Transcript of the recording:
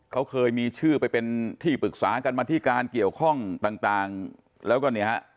เขาเคยมีชื่อไปเป็นที่ปรึกษากันมาธิการเกี่ยวข้องต่างแล้วก็เนี่ยฮะ